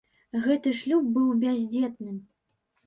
Гэты шлюб быў бяздзетным.